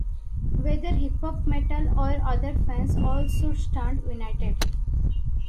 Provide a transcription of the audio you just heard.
Whether hip hop, metal or other fans - all should stand united.